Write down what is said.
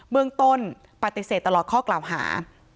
เมืองต้นปฏิเสธตลอดข้อกล่าวหา